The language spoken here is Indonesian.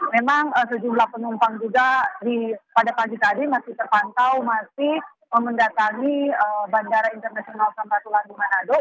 memang sejumlah penumpang juga pada pagi tadi masih terpantau masih mendatangi bandara internasional sambatulangi manado